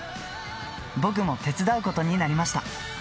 僕も手伝うことになりました。